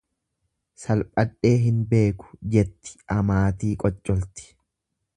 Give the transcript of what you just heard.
"""Salphadhee hin beeku"" jetti amaatii qoccolti."